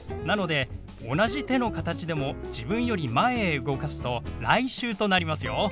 なので同じ手の形でも自分より前へ動かすと「来週」となりますよ。